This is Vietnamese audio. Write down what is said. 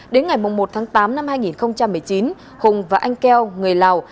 đến ngày một tháng tám năm hai nghìn một mươi chín hùng và anh keo người lào